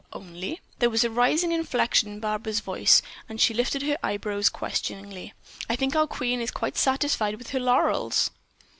"Only?" there was a rising inflection in Barbara's voice, and she also lifted her eyebrows questioningly. "I think our queen is quite satisfied with her laurels."